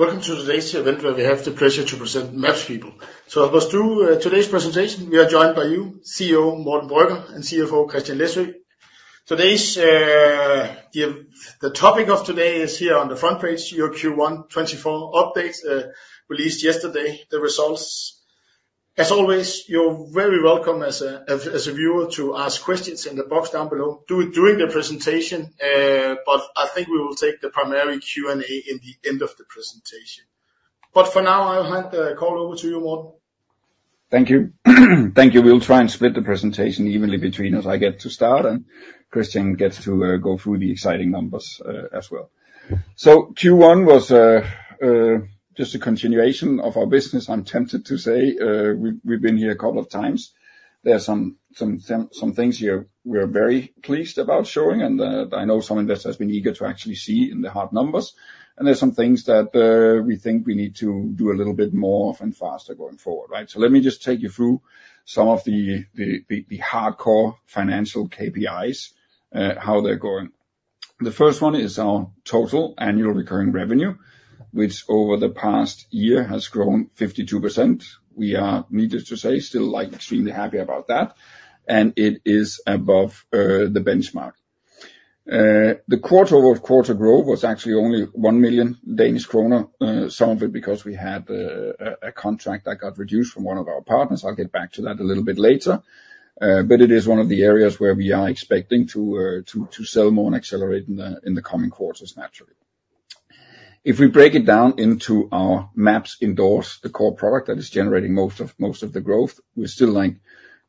Welcome to today's event, where we have the pleasure to present MapsPeople. So, to take us through today's presentation, we are joined by our CEO, Morten Brøgger, and CFO, Christian Læsø. Today's the topic of today is here on the front page, your Q1 2024 update, released yesterday, the results. As always, you're very welcome as a viewer to ask questions in the box down below during the presentation, but I think we will take the primary Q&A in the end of the presentation. But for now, I'll hand the call over to you, Morten. Thank you. Thank you. We'll try and split the presentation evenly between us. I get to start, and Christian gets to go through the exciting numbers as well. So Q1 was just a continuation of our business, I'm tempted to say. We've been here a couple of times. There are some things here we are very pleased about showing, and I know some investors has been eager to actually see in the hard numbers. And there are some things that we think we need to do a little bit more and faster going forward, right? So let me just take you through some of the hardcore financial KPIs how they're going. The first one is our total annual recurring revenue, which over the past year has grown 52%. We are, needless to say, still, like, extremely happy about that, and it is above the benchmark. The quarter-over-quarter growth was actually only 1 million Danish kroner, some of it because we had a contract that got reduced from one of our partners. I'll get back to that a little bit later, but it is one of the areas where we are expecting to to sell more and accelerate in the coming quarters, naturally. If we break it down into our MapsIndoors, the core product that is generating most of the growth, we're still, like,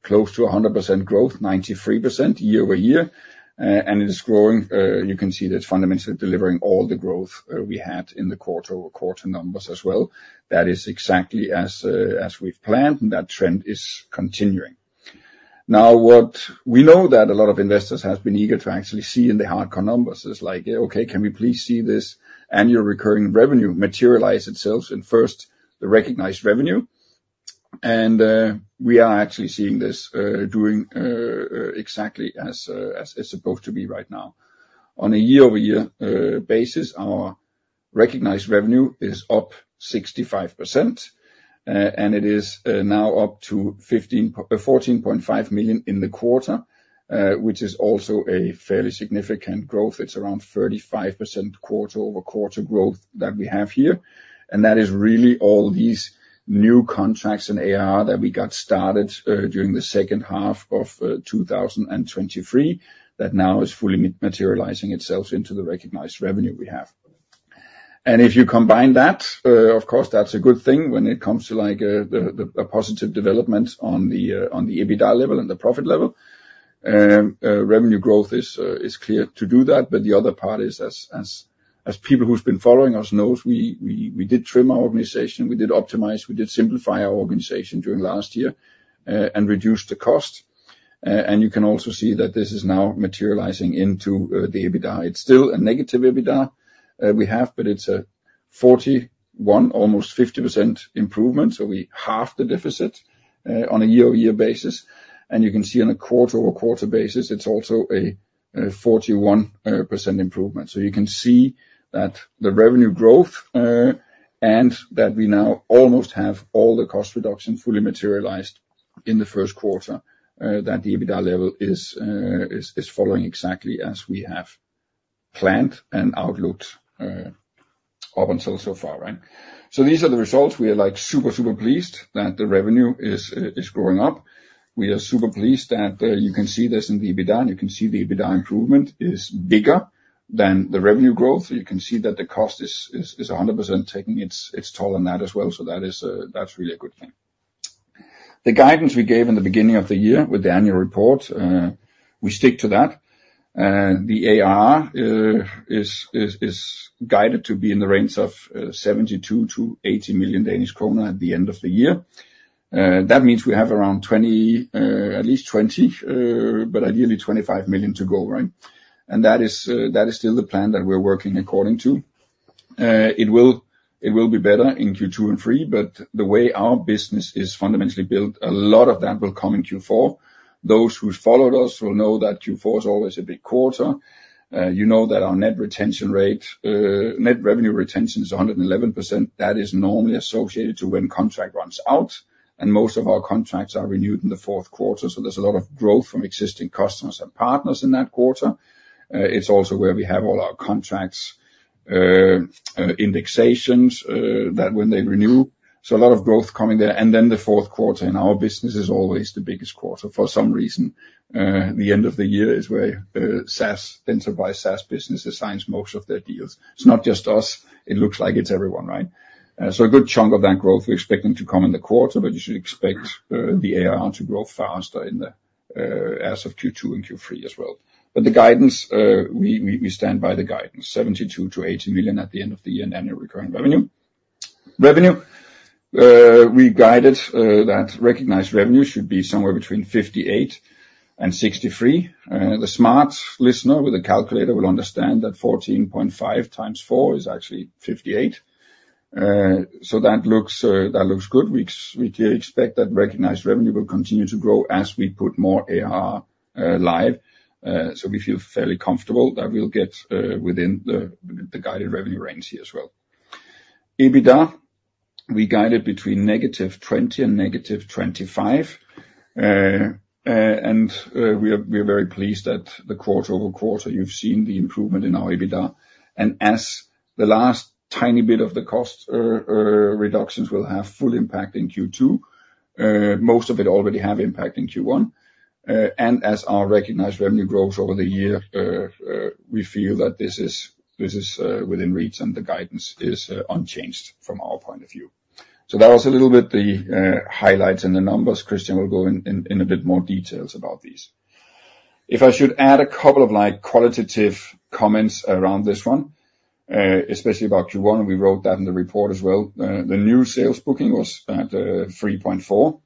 close to 100% growth, 93% year-over-year. And it is growing. You can see that fundamentally delivering all the growth we had in the quarter-over-quarter numbers as well. That is exactly as we've planned, and that trend is continuing. Now, what we know that a lot of investors have been eager to actually see in the hardcore numbers is like: Yeah, okay, can we please see this annual recurring revenue materialize itself in first, the recognized revenue? And, we are actually seeing this exactly as it's supposed to be right now. On a year-over-year basis, our recognized revenue is up 65%, and it is now up to 14.5 million DKK in the quarter, which is also a fairly significant growth. It's around 35% quarter-over-quarter growth that we have here, and that is really all these new contracts in ARR that we got started during the second half of 2023, that now is fully materializing itself into the recognized revenue we have. And if you combine that, of course, that's a good thing when it comes to, like, the positive development on the EBITDA level and the profit level. Revenue growth is clear to do that, but the other part is as people who's been following us knows, we did trim our organization, we did optimize, we did simplify our organization during last year and reduced the cost. And you can also see that this is now materializing into the EBITDA. It's still a negative EBITDA, we have, but it's a 41, almost 50% improvement. So we halved the deficit on a year-over-year basis. And you can see on a quarter-over-quarter basis, it's also a 41% improvement. So you can see that the revenue growth and that we now almost have all the cost reduction fully materialized in the first quarter, that the EBITDA level is following exactly as we have planned and outlooked up until so far, right? So these are the results. We are, like, super, super pleased that the revenue is going up. We are super pleased that you can see this in the EBITDA, and you can see the EBITDA improvement is bigger than the revenue growth. So you can see that the cost is 100% taking its toll on that as well. So that is, that's really a good thing. The guidance we gave in the beginning of the year with the annual report, we stick to that. The ARR is guided to be in the range of 72-80 million Danish kroner at the end of the year. That means we have around 20, at least 20, but ideally 25 million DKK to go, right? And that is still the plan that we're working according to. It will be better in Q2 and Q3, but the way our business is fundamentally built, a lot of that will come in Q4. Those who've followed us will know that Q4 is always a big quarter. You know that our net retention rate, net revenue retention is 111%. That is normally associated to when contract runs out, and most of our contracts are renewed in the fourth quarter. So there's a lot of growth from existing customers and partners in that quarter. It's also where we have all our contracts, indexations, that when they renew. So a lot of growth coming there. And then, the fourth quarter in our business is always the biggest quarter. For some reason, the end of the year is where, SaaS, enterprise SaaS business signs most of their deals. It's not just us; it looks like it's everyone, right? So a good chunk of that growth, we're expecting to come in the quarter, but you should expect the ARR to grow faster in the as of Q2 and Q3 as well. But the guidance, we stand by the guidance, 72 million-80 million at the end of the year in annual recurring revenue. Revenue, we guided that recognized revenue should be somewhere between 58 million and 63 million. The smart listener with a calculator will understand that 14.5 × 4 is actually 58. So that looks good. We expect that recognized revenue will continue to grow as we put more ARR live. So we feel fairly comfortable that we'll get within the guided revenue range here as well. EBITDA, we guided between -20 million and -25 million. We are very pleased at the quarter-over-quarter. You've seen the improvement in our EBITDA. As the last tiny bit of the cost reductions will have full impact in Q2, most of it already have impact in Q1. As our recognized revenue grows over the year, we feel that this is within reach, and the guidance is unchanged from our point of view. So that was a little bit the highlights and the numbers. Christian will go in a bit more details about these. If I should add a couple of, like, qualitative comments around this one, especially about Q1, we wrote that in the report as well. The new sales booking was at 3.4 million,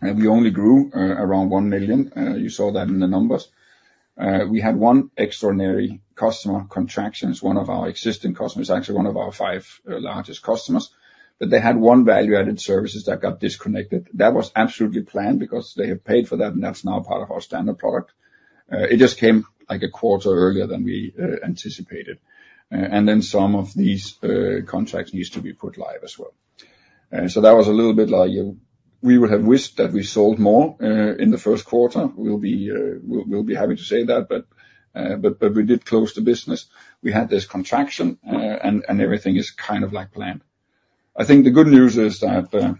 and we only grew around 1 million. You saw that in the numbers. We had one extraordinary customer contraction, it's one of our existing customers, actually one of our five, largest customers. But they had one value-added services that got disconnected. That was absolutely planned because they have paid for that, and that's now part of our standard product. It just came, like, a quarter earlier than we, anticipated. And then some of these, contracts needs to be put live as well. So that was a little bit like, we would have wished that we sold more, in the first quarter. We'll be, we'll, we'll be happy to say that, but, but, but we did close the business. We had this contraction, and, and everything is kind of like planned. I think the good news is that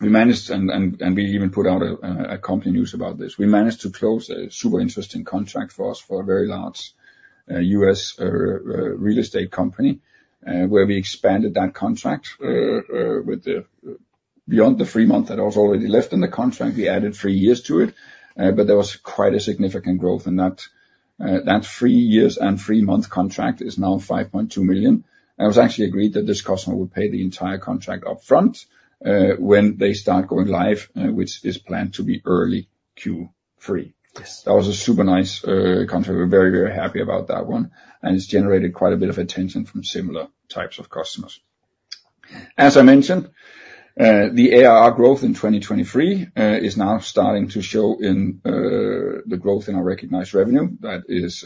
we managed and we even put out a company news about this. We managed to close a super interesting contract for us for a very large US real estate company where we expanded that contract with the... Beyond the three months that was already left in the contract, we added three years to it. But there was quite a significant growth in that. That three years and three-month contract is now 5.2 million, and it was actually agreed that this customer would pay the entire contract upfront when they start going live, which is planned to be early Q3. That was a super nice contract. We're very, very happy about that one, and it's generated quite a bit of attention from similar types of customers. As I mentioned, the ARR growth in 2023 is now starting to show in the growth in our recognized revenue. That is,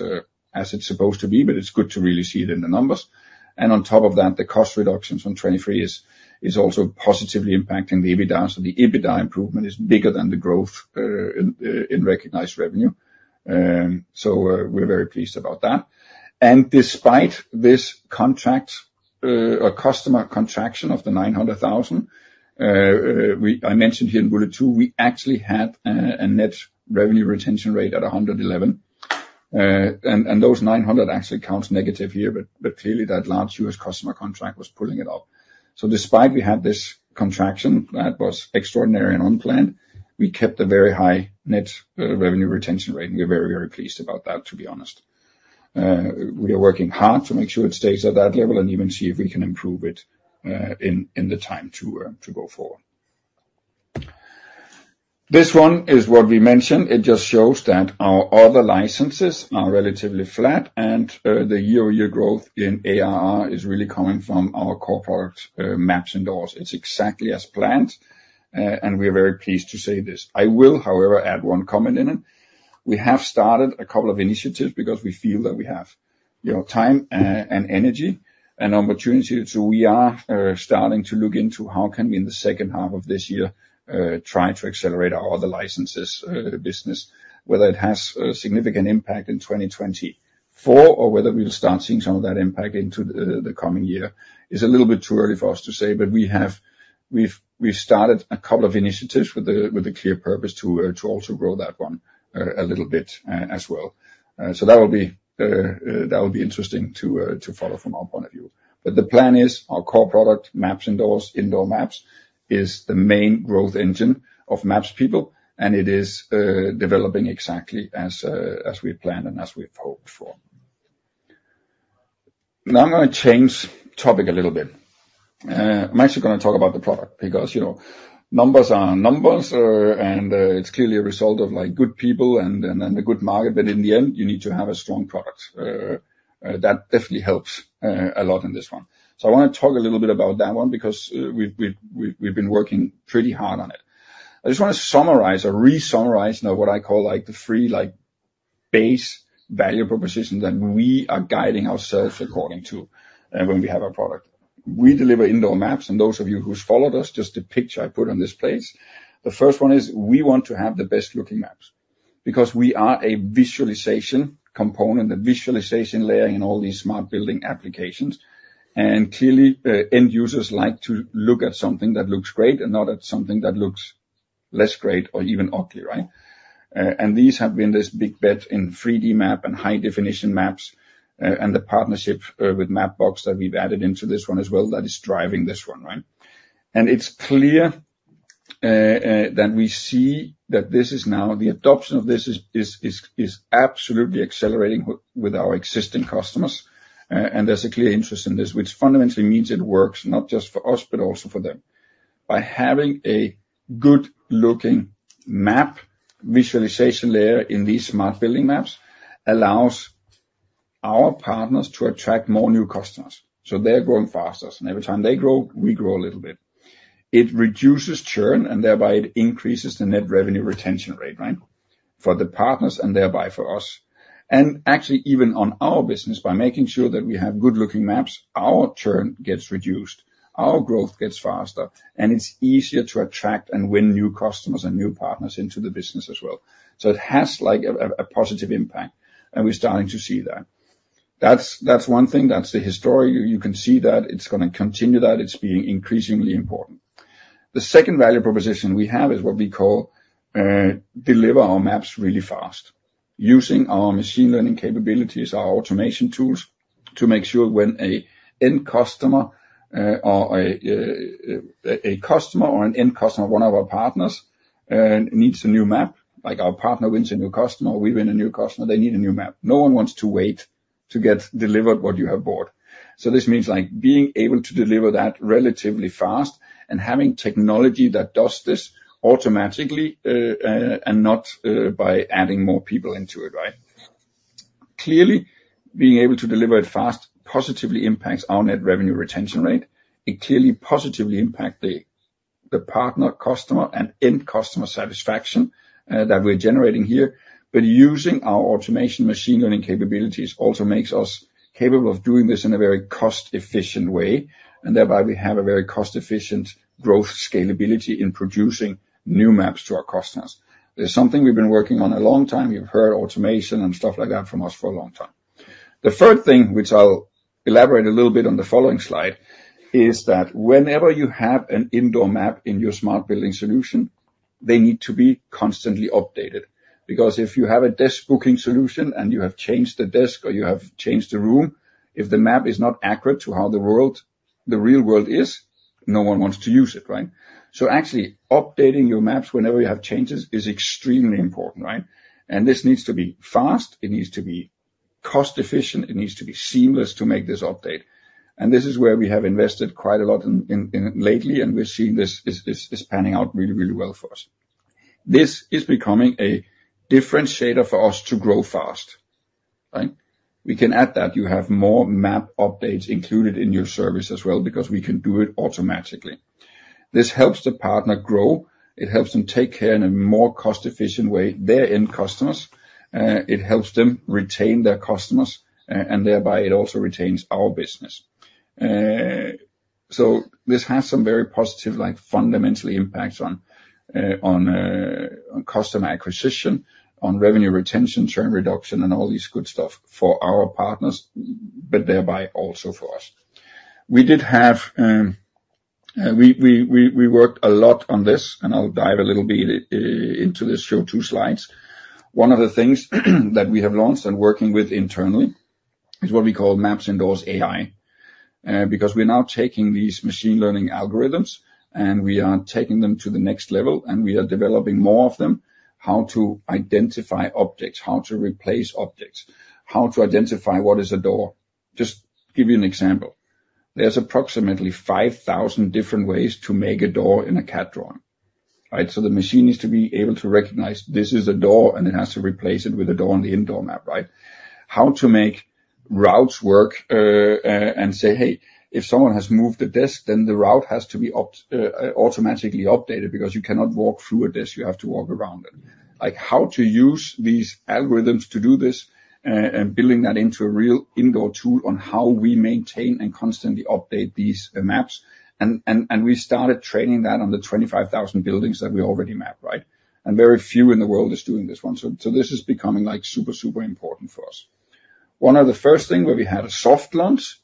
as it's supposed to be, but it's good to really see it in the numbers. And on top of that, the cost reductions from 2023 is also positively impacting the EBITDA. So the EBITDA improvement is bigger than the growth in recognized revenue. So, we're very pleased about that. And despite this contract, a customer contraction of 900,000, I mentioned here in bullet two, we actually had a net revenue retention rate at 111%. And those 900,000 actually counts negative here, but clearly, that large US customer contract was pulling it up. So despite we had this contraction that was extraordinary and unplanned, we kept a very high net revenue retention rate, and we're very, very pleased about that, to be honest. We are working hard to make sure it stays at that level and even see if we can improve it in the time to go forward. This one is what we mentioned. It just shows that our other licenses are relatively flat, and the year-over-year growth in ARR is really coming from our core products, MapsIndoors. It's exactly as planned, and we are very pleased to say this. I will, however, add one comment in it. We have started a couple of initiatives because we feel that we have, you know, time and energy and opportunity. So we are starting to look into how can we, in the second half of this year, try to accelerate our other licenses business. Whether it has a significant impact in 2024, or whether we'll start seeing some of that impact into the coming year, is a little bit too early for us to say, but we have. We've started a couple of initiatives with a clear purpose to also grow that one a little bit as well. So that will be interesting to follow from our point of view. But the plan is our core product, MapsIndoors, indoor maps, is the main growth engine of MapsPeople, and it is developing exactly as we had planned and as we had hoped for. Now, I'm gonna change topic a little bit. I'm actually gonna talk about the product, because, you know, numbers are numbers, and it's clearly a result of, like, good people and a good market, but in the end, you need to have a strong product. That definitely helps a lot in this one. So I wanna talk a little bit about that one because we've been working pretty hard on it. I just want to summarize or re-summarize now what I call like the three, like, base value propositions that we are guiding ourselves according to when we have a product. We deliver indoor maps, and those of you who's followed us, just the picture I put on this place. The first one is we want to have the best-looking maps because we are a visualization component, the visualization layer in all these smart building applications. And clearly, end users like to look at something that looks great and not at something that looks less great or even ugly, right? And these have been this big bet in 3D map and high-definition maps, and the partnership with Mapbox that we've added into this one as well, that is driving this one, right? And it's clear that we see that this is now the adoption of this is absolutely accelerating with our existing customers. And there's a clear interest in this, which fundamentally means it works not just for us, but also for them. By having a good-looking map visualization layer in these smart building maps, allows our partners to attract more new customers, so they're growing faster. So every time they grow, we grow a little bit.... It reduces churn, and thereby it increases the net revenue retention rate, right? For the partners and thereby for us. And actually, even on our business, by making sure that we have good-looking maps, our churn gets reduced, our growth gets faster, and it's easier to attract and win new customers and new partners into the business as well. So it has, like, a, a positive impact, and we're starting to see that. That's, that's one thing, that's the history. You can see that it's gonna continue, that it's being increasingly important. The second value proposition we have is what we call deliver our maps really fast, using our machine learning capabilities, our automation tools, to make sure when an end customer or a customer or an end customer, one of our partners, needs a new map, like our partner wins a new customer, we win a new customer, they need a new map. No one wants to wait to get delivered what you have bought. So this means, like, being able to deliver that relatively fast and having technology that does this automatically, and not by adding more people into it, right? Clearly, being able to deliver it fast positively impacts our net revenue retention rate. It clearly positively impact the partner, customer, and end customer satisfaction that we're generating here. But using our automation machine learning capabilities also makes us capable of doing this in a very cost-efficient way, and thereby, we have a very cost-efficient growth scalability in producing new maps to our customers. This is something we've been working on a long time. You've heard automation and stuff like that from us for a long time. The third thing, which I'll elaborate a little bit on the following slide, is that whenever you have an indoor map in your smart building solution, they need to be constantly updated because if you have a desk booking solution and you have changed the desk, or you have changed the room, if the map is not accurate to how the world, the real world is, no one wants to use it, right? So actually updating your maps whenever you have changes is extremely important, right? This needs to be fast, it needs to be cost-efficient, it needs to be seamless to make this update. This is where we have invested quite a lot in lately, and we're seeing this is panning out really, really well for us. This is becoming a differentiator for us to grow fast, right? We can add that you have more map updates included in your service as well because we can do it automatically. This helps the partner grow, it helps them take care in a more cost-efficient way, their end customers. It helps them retain their customers, and thereby, it also retains our business. So this has some very positive, like, fundamentally impacts on customer acquisition, on revenue retention, churn reduction, and all these good stuff for our partners, but thereby also for us. We did have worked a lot on this, and I'll dive a little bit into this, show 2 slides. One of the things that we have launched and working with internally is what we call MapsIndoors AI. Because we're now taking these machine learning algorithms, and we are taking them to the next level, and we are developing more of them, how to identify objects, how to replace objects, how to identify what is a door. Just give you an example: there's approximately 5,000 different ways to make a door in a CAD drawing, right? So the machine needs to be able to recognize this is a door, and it has to replace it with a door on the indoor map, right? How to make routes work, and say, "Hey, if someone has moved a desk, then the route has to be automatically updated because you cannot walk through a desk, you have to walk around it." Like, how to use these algorithms to do this, and building that into a real indoor tool on how we maintain and constantly update these maps. And, and, and we started training that on the 25,000 buildings that we already mapped, right? And very few in the world is doing this one. So, so this is becoming, like, super, super important for us. One of the first thing where we had a soft launch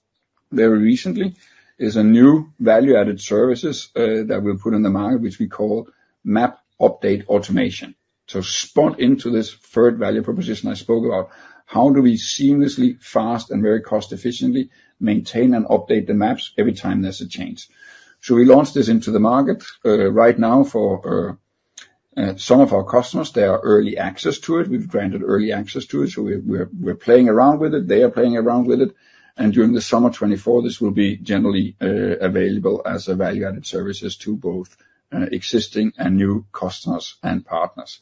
very recently, is a new value-added services that we put in the market, which we call Map Update Automation. To spot into this third value proposition I spoke about, how do we seamlessly, fast, and very cost efficiently maintain and update the maps every time there's a change? So we launched this into the market right now for some of our customers. They are early access to it. We've granted early access to it, so we're playing around with it. They are playing around with it. And during the summer 2024, this will be generally available as a value-added services to both existing and new customers and partners.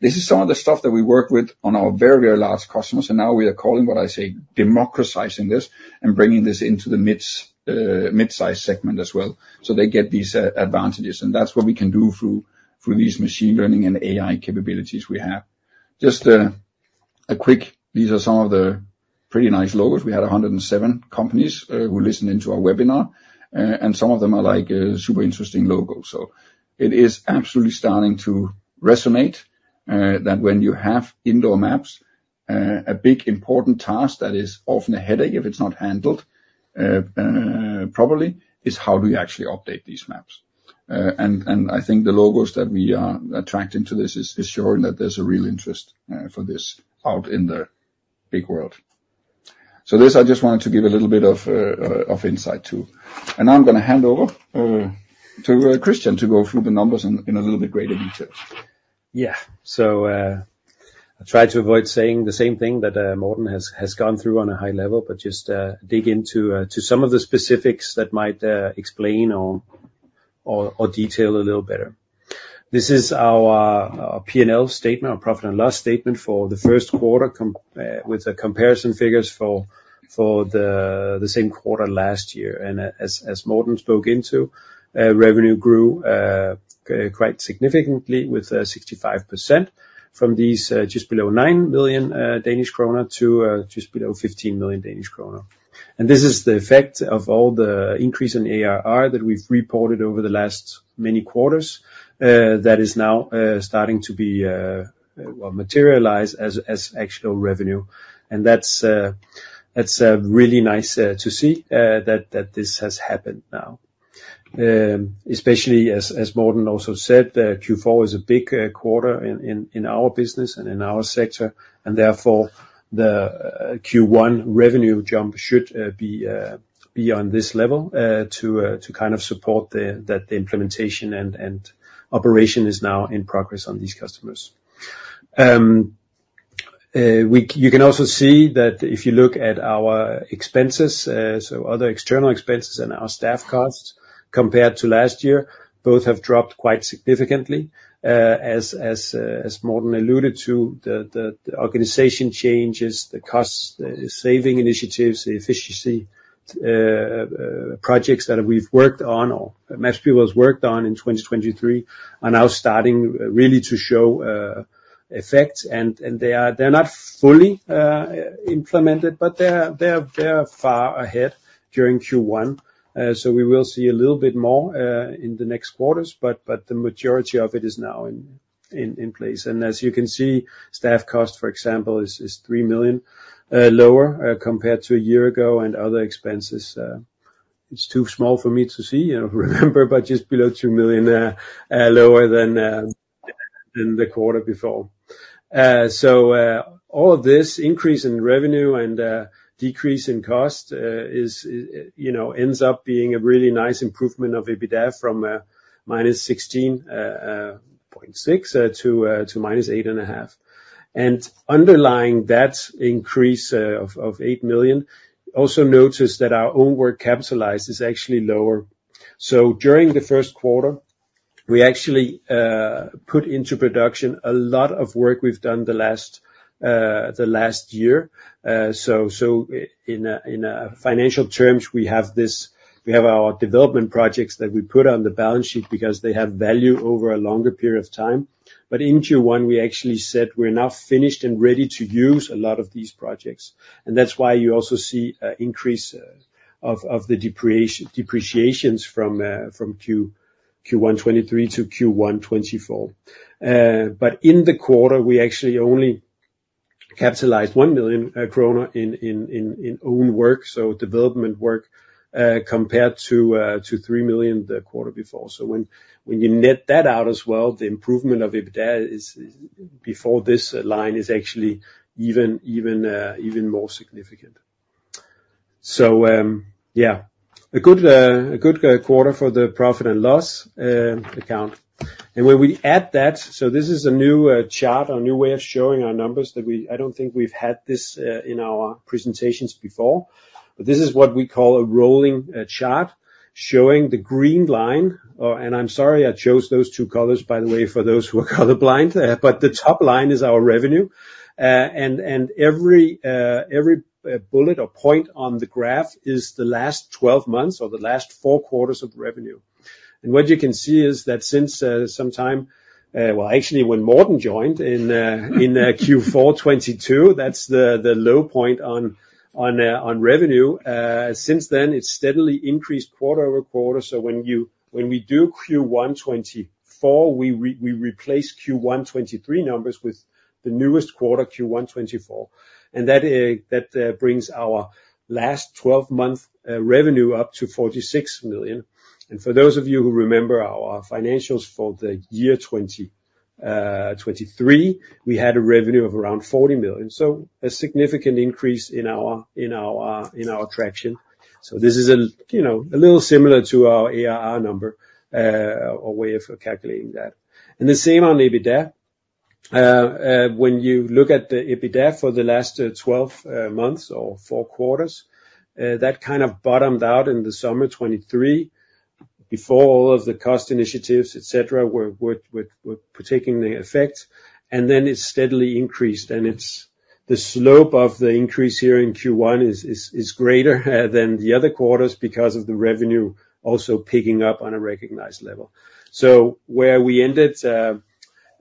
This is some of the stuff that we work with on our very, very large customers, and now we are calling, what I say, democratizing this and bringing this into the mids, mid-size segment as well. So they get these advantages, and that's what we can do through these machine learning and AI capabilities we have. Just a quick. These are some of the pretty nice logos. We had 107 companies who listened into our webinar, and some of them are like super interesting logos. So it is absolutely starting to resonate that when you have indoor maps, a big important task that is often a headache, if it's not handled properly, is how do you actually update these maps? And I think the logos that we are attracting to this is showing that there's a real interest for this out in the big world. So this, I just wanted to give a little bit of insight, too. And now I'm gonna hand over to Christian to go through the numbers in a little bit greater detail. Yeah. So, I'll try to avoid saying the same thing that Morten has gone through on a high level, but just dig into to some of the specifics that might explain or detail a little better. This is our P&L statement, our profit and loss statement for the first quarter with the comparison figures for the same quarter last year. And as Morten spoke into, revenue grew quite significantly with 65% from just below 9 million Danish kroner to just below 15 million Danish kroner. And this is the effect of all the increase in ARR that we've reported over the last many quarters that is now starting to be well materialized as actual revenue. And that's really nice to see that this has happened now. Especially as Morten also said, that Q4 is a big quarter in our business and in our sector, and therefore, the Q1 revenue jump should be on this level to kind of support that the implementation and operation is now in progress on these customers. You can also see that if you look at our expenses, so other external expenses and our staff costs compared to last year, both have dropped quite significantly, as Morten alluded to, the organization changes, the cost-saving initiatives, the efficiency projects that we've worked on, or MapsPeople has worked on in 2023, are now starting really to show effects. And they are not fully implemented, but they're far ahead during Q1. So we will see a little bit more in the next quarters, but the majority of it is now in place. And as you can see, staff cost, for example, is 3 million lower compared to a year ago, and other expenses, it's too small for me to see, you know, remember, but just below 2 million lower than the quarter before. So all of this increase in revenue and decrease in cost is, you know, ends up being a really nice improvement of EBITDA from -16.6 million to -8.5 million. And underlying that increase of 8 million, also notice that our own work capitalized is actually lower. So during the first quarter, we actually put into production a lot of work we've done the last year. So in financial terms, we have this, we have our development projects that we put on the balance sheet because they have value over a longer period of time. But in Q1, we actually said, we're now finished and ready to use a lot of these projects. And that's why you also see an increase of the depreciations from Q1 2023 to Q1 2024. But in the quarter, we actually only capitalized 1 million krone in own work, so development work, compared to 3 million the quarter before. So when you net that out as well, the improvement of EBITDA is, before this line is actually even more significant. So, yeah, a good quarter for the profit and loss account. And when we add that, so this is a new chart, a new way of showing our numbers. I don't think we've had this in our presentations before, but this is what we call a rolling chart, showing the green line. And I'm sorry, I chose those two colors, by the way, for those who are color blind. But the top line is our revenue, and every bullet or point on the graph is the last twelve months or the last four quarters of revenue. What you can see is that since sometime, well, actually, when Morten joined in Q4 2022, that's the low point on revenue. Since then, it's steadily increased quarter-over-quarter. So when we do Q1 2024, we replace Q1 2023 numbers with the newest quarter, Q1 2024. And that brings our last twelve-month revenue up to 46 million. And for those of you who remember our financials for the year 2023, we had a revenue of around 40 million. So a significant increase in our traction. So this is a, you know, a little similar to our ARR number or way of calculating that. And the same on EBITDA. When you look at the EBITDA for the last 12 months or 4 quarters, that kind of bottomed out in the summer of 2023 before all of the cost initiatives, et cetera, were taking effect, and then it steadily increased. And it's the slope of the increase here in Q1 is greater than the other quarters because of the revenue also picking up on a recognized level. So where we ended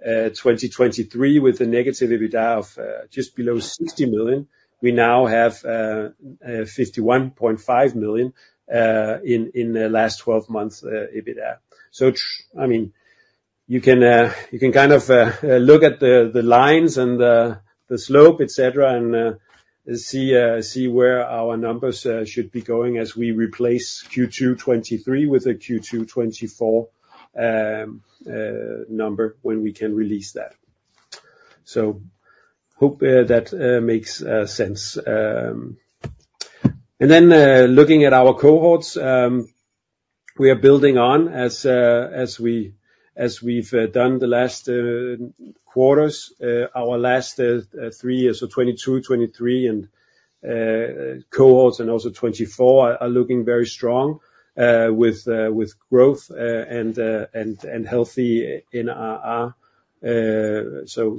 2023 with a negative EBITDA of just below 60 million, we now have 51.5 million in the last 12 months EBITDA. I mean, you can kind of look at the lines and the slope, et cetera, and see where our numbers should be going as we replace Q2 2023 with a Q2 2024 number, when we can release that. Hope that makes sense. Then, looking at our cohorts, we are building on as we've done the last quarters. Our last three years, so 2022, 2023, and cohorts, and also 2024, are looking very strong with growth and healthy in ARR. So,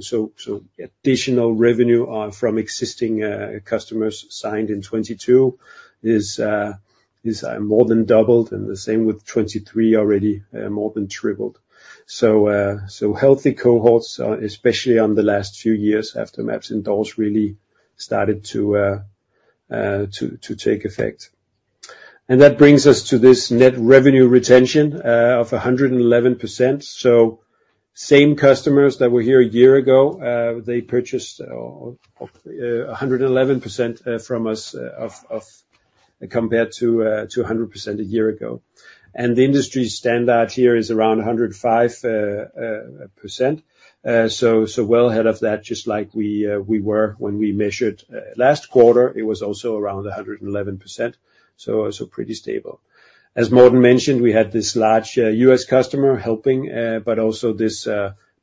additional revenue from existing customers signed in 2022 is more than doubled, and the same with 2023, already more than tripled. So, healthy cohorts, especially on the last few years after MapsIndoors really started to take effect. And that brings us to this net revenue retention of 111%. So same customers that were here a year ago, they purchased 111% from us, of- compared to 100% a year ago. And the industry standard here is around 105%. So, well ahead of that, just like we were when we measured last quarter, it was also around 111%, so pretty stable. As Morten mentioned, we had this large US customer helping, but also this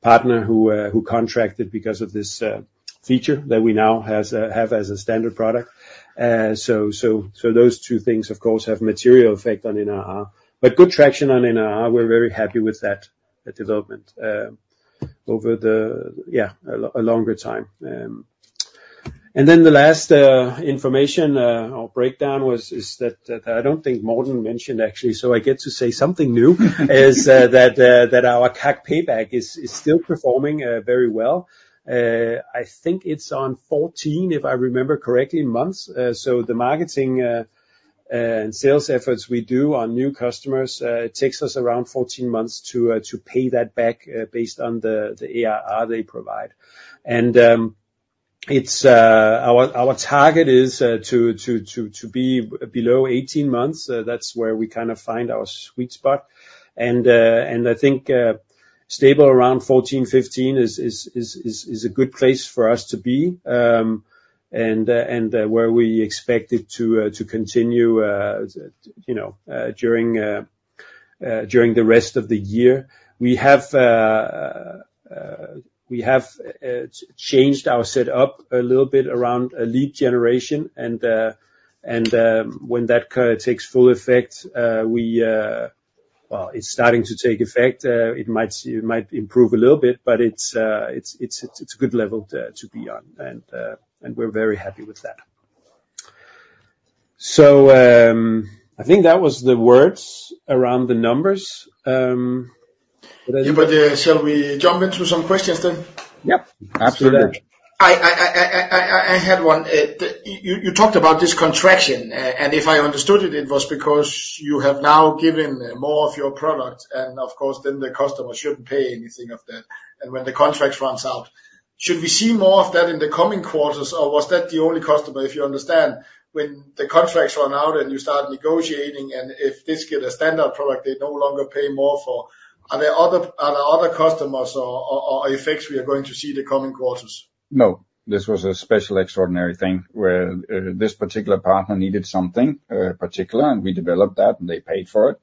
partner who contracted because of this feature that we now have as a standard product. So those two things, of course, have material effect on ARR. But good traction on ARR. We're very happy with that development over a longer time. And then the last information or breakdown is that I don't think Morten mentioned, actually, so I get to say something new, is that our CAC payback is still performing very well. I think it's on 14, if I remember correctly, months. So the marketing, sales efforts we do on new customers, it takes us around 14 months to pay that back, based on the ARR they provide. And, it's our target is to be below 18 months. That's where we kind of find our sweet spot. And, and I think, stable around 14, 15 is a good place for us to be. And, and, where we expect it to continue, you know, during the rest of the year. We have changed our setup a little bit around a lead generation, and, and, when that kind of takes full effect, we... Well, it's starting to take effect. It might improve a little bit, but it's a good level to be on, and we're very happy with that. So, I think that was the words around the numbers. Yeah, but, shall we jump into some questions then? Yep, absolutely. I had one. You talked about this contraction, and if I understood it, it was because you have now given more of your product, and of course, then the customer shouldn't pay anything of that, and when the contract runs out. Should we see more of that in the coming quarters, or was that the only customer? If you understand, when the contracts run out and you start negotiating, and if this get a standard product, they no longer pay more for. Are there other customers or effects we are going to see the coming quarters? No, this was a special, extraordinary thing, where, this particular partner needed something, particular, and we developed that, and they paid for it.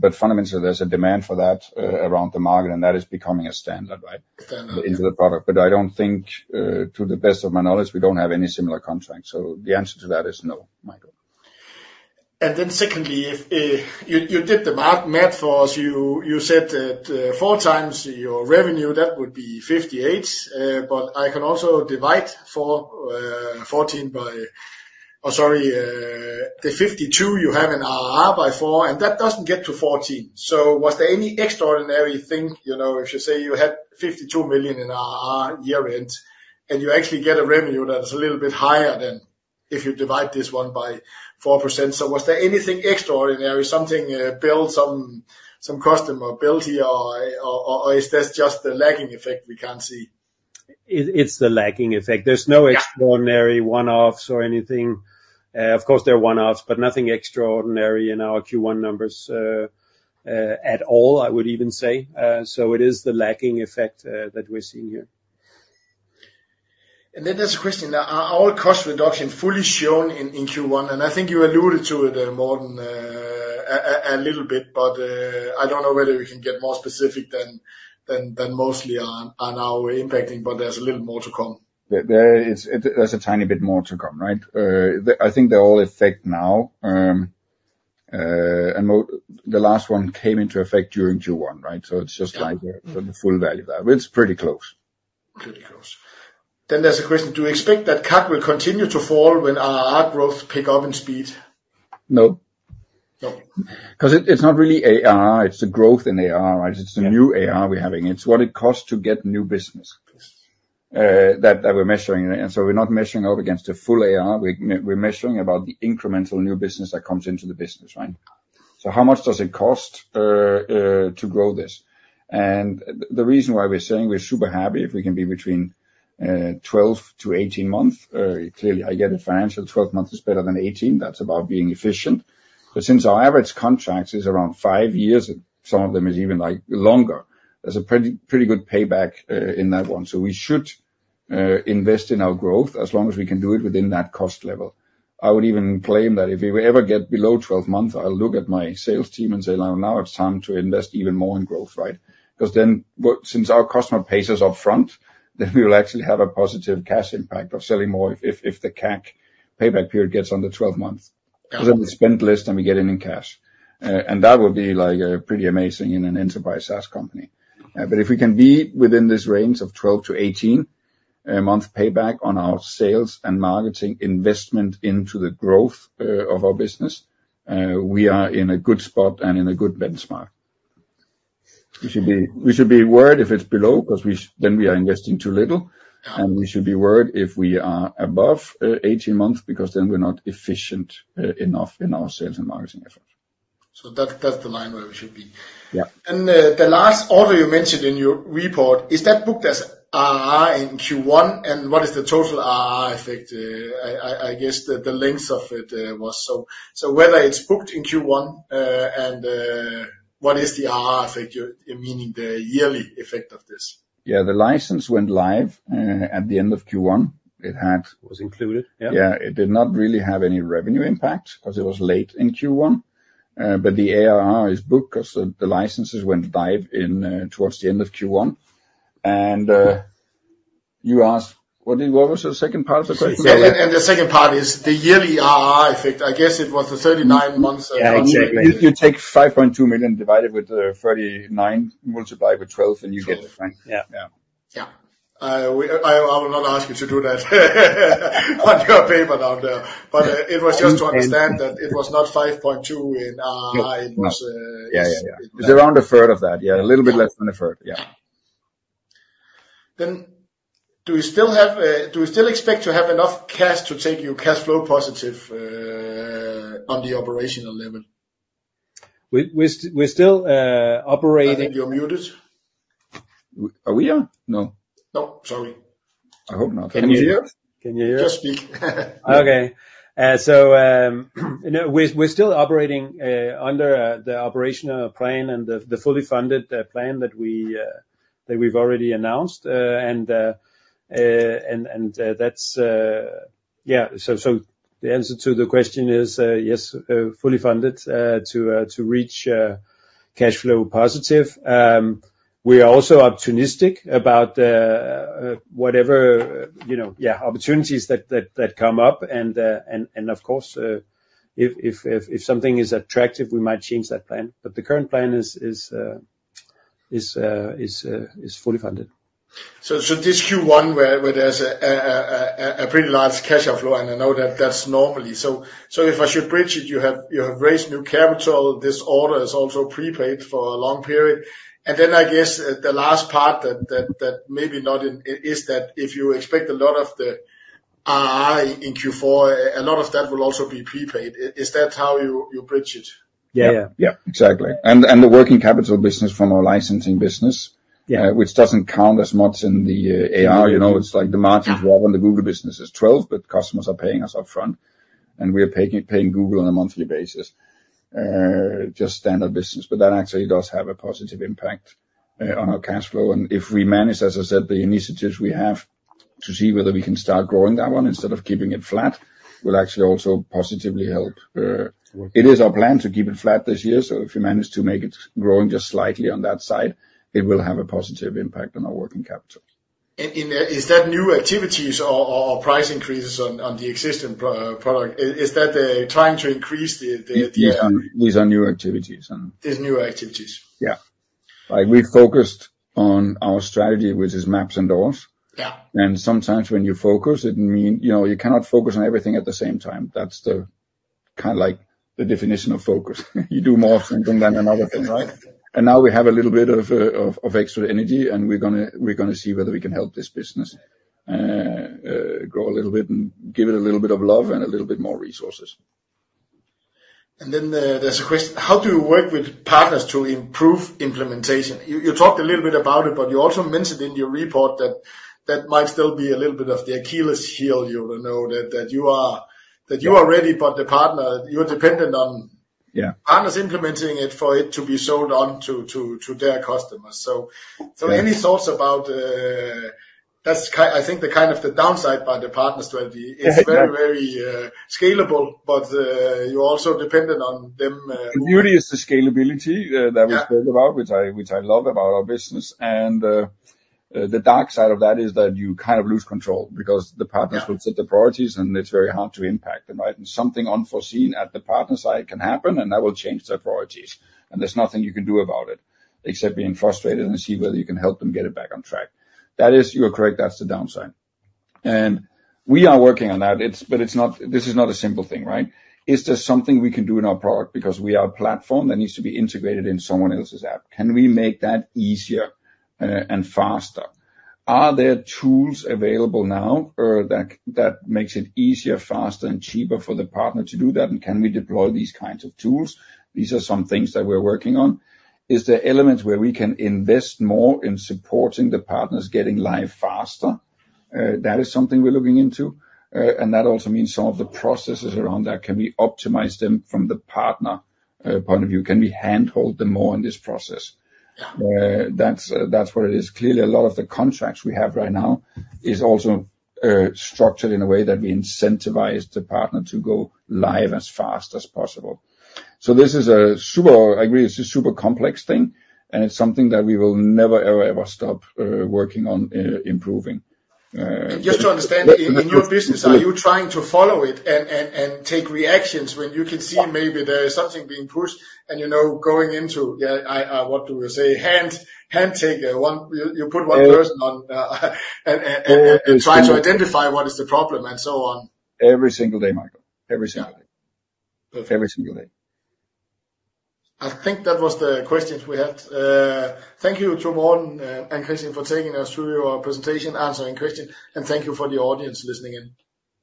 But fundamentally, there's a demand for that, around the market, and that is becoming a standard, right? Standard. Into the product. But I don't think, to the best of my knowledge, we don't have any similar contracts, so the answer to that is no, Michael. Secondly, if you did the math for us, you said that 4x your revenue, that would be 58, but I can also divide 14 by... Oh, sorry, the 52, you have an ARR by 4, and that doesn't get to 14. Was there any extraordinary thing, you know, if you say you had 52 million in ARR year end, and you actually get a revenue that is a little bit higher than if you divide this one by 4%. Was there anything extraordinary, something built, some customer built here, or is this just the lagging effect we can't see? It's the lagging effect. Yeah. There's no extraordinary one-offs or anything. Of course, there are one-offs, but nothing extraordinary in our Q1 numbers, at all, I would even say. So it is the lagging effect, that we're seeing here. Then there's a question: Are all cost reduction fully shown in Q1? I think you alluded to it, Morten, a little bit, but I don't know whether we can get more specific than mostly on our impacting, but there's a little more to come. There's a tiny bit more to come, right? I think they're all in effect now, and the last one came into effect during Q1, right? So it's just- Yeah. like the full value there, but it's pretty close. Pretty close. Then there's a question: Do you expect that CAC will continue to fall when ARR growth pick up in speed? No. No. 'Cause it, it's not really ARR, it's the growth in ARR, right? Yeah. It's the new ARR we're having. It's what it costs to get new business that, that we're measuring. And so we're not measuring up against the full ARR. We're measuring about the incremental new business that comes into the business, right? So how much does it cost to grow this? And the reason why we're saying we're super happy if we can be between 12-18 months, clearly, I get it, financial, 12 months is better than 18. That's about being efficient. But since our average contract is around 5 years, some of them is even, like, longer, there's a pretty good payback in that one. So we should invest in our growth as long as we can do it within that cost level. I would even claim that if we ever get below 12 months, I'll look at my sales team and say, "Well, now it's time to invest even more in growth," right? Because then, well, since our customer pays us upfront, then we will actually have a positive cash impact of selling more if the CAC payback period gets under 12 months. Because then we spend less, and we get it in cash. And that would be, like, pretty amazing in an enterprise SaaS company. But if we can be within this range of 12-18 month payback on our sales and marketing investment into the growth of our business, we are in a good spot and in a good benchmark. We should be worried if it's below, 'cause then we are investing too little, and we should be worried if we are above 18 months, because then we're not efficient enough in our sales and marketing effort. So that, that's the line where we should be. Yeah. The last order you mentioned in your report, is that booked as ARR in Q1, and what is the total ARR effect? I guess the length of it was so... So whether it's booked in Q1, and what is the ARR effect, meaning the yearly effect of this? Yeah, the license went live, at the end of Q1. It had- Was included, yeah. Yeah. It did not really have any revenue impact because it was late in Q1. But the ARR is booked because the licenses went live in, towards the end of Q1. And, you asked, what was the second part of the question? The second part is the yearly ARR effect. I guess it was the 39 months. Yeah, exactly. If you take 5.2 million, divide it with 39, multiply with 12, and you get it, right? Yeah. Yeah. Yeah. I will not ask you to do that, on your paper down there. But, it was just to understand that it was not 5.2 in, it was. Yeah, yeah, yeah. It's around a third of that. Yeah, a little bit less than a third. Yeah. Do you still expect to have enough cash to take you to cash flow positive, on the operational level? We're still operating- I think you're muted. Are we on? No. No, sorry. I hope not. Can you hear us? Can you hear us? Just speak. Okay. So, no, we're still operating under the operational plan and the fully funded plan that we've already announced. And that's... Yeah, so the answer to the question is, yes, fully funded to reach cash flow positive. We are also opportunistic about whatever, you know, yeah, opportunities that come up, and of course, if something is attractive, we might change that plan. But the current plan is fully funded. So this Q1, where there's a pretty large cash outflow, and I know that that's normally. So if I should bridge it, you have raised new capital. This order is also prepaid for a long period. And then, I guess, the last part that maybe not in is that if you expect a lot of the ARR in Q4, a lot of that will also be prepaid. Is that how you bridge it? Yeah. Yeah, exactly. And the working capital business from our licensing business- Yeah. which doesn't count as much in the, ARR, you know. It's like the margins were when the Google business is 12, but customers are paying us upfront, and we are paying Google on a monthly basis. Just standard business, but that actually does have a positive impact on our cash flow. And if we manage, as I said, the initiatives we have to see whether we can start growing that one instead of keeping it flat, will actually also positively help... It is our plan to keep it flat this year, so if we manage to make it growing just slightly on that side, it will have a positive impact on our working capital. Is that new activities or price increases on the existing product? Is that trying to increase the? These are new activities and- These are new activities. Yeah. Like, we focused on our strategy, which is MapsIndoors. Yeah. Sometimes when you focus, it means, you know, you cannot focus on everything at the same time. That's the, kind of like, the definition of focus. You do more than one another thing, right? And now we have a little bit of extra energy, and we're gonna see whether we can help this business grow a little bit and give it a little bit of love and a little bit more resources. And then, there's a question: How do you work with partners to improve implementation? You talked a little bit about it, but you also mentioned in your report that that might still be a little bit of the Achilles heel, you know, that you are ready, but the partner, you're dependent on- Yeah. partners implementing it for it to be sold on to their customers. So any thoughts about... That's kind of the downside by the partners strategy. Yeah. It's very, very, scalable, but, you're also dependent on them. The beauty is the scalability. Yeah That we spoke about, which I love about our business. And, the dark side of that is that you kind of lose control because the partners- Yeah will set the priorities, and it's very hard to impact them, right? And something unforeseen at the partner side can happen, and that will change their priorities, and there's nothing you can do about it, except being frustrated and see whether you can help them get it back on track. That is, you are correct, that's the downside. And we are working on that. It's but it's not, this is not a simple thing, right? Is there something we can do in our product? Because we are a platform that needs to be integrated in someone else's app. Can we make that easier, and faster? Are there tools available now or that makes it easier, faster, and cheaper for the partner to do that? And can we deploy these kinds of tools? These are some things that we're working on. Is there elements where we can invest more in supporting the partners getting live faster? That is something we're looking into. And that also means some of the processes around that, can we optimize them from the partner point of view? Can we handhold them more in this process? Yeah. That's what it is. Clearly, a lot of the contracts we have right now is also structured in a way that we incentivize the partner to go live as fast as possible. So this is a super, I agree, it's a super complex thing, and it's something that we will never, ever, ever stop working on improving. And just to understand, in your business, are you trying to follow it and take reactions when you can see maybe there is something being pushed and, you know, going into, yeah, I what do we say? Hand taker. One, you put one person on and try to identify what is the problem and so on. Every single day, Michael. Every single day. Yeah. Every single day. I think that was the questions we had. Thank you to Morten and Christian for taking us through your presentation, answering questions, and thank you for the audience listening in.